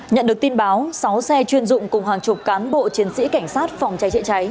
nhận được tin báo sáu xe chuyên dụng cùng hàng chục cán bộ chiến sĩ cảnh sát phòng cháy chữa cháy